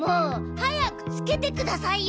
早くつけてくださいよ。